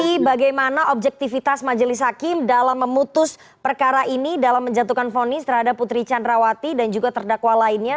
oke jadi bagaimana objektifitas majelis haki dalam memutus perkara ini dalam menjatuhkan poni terhadap putri candrawati dan juga terdakwa lainnya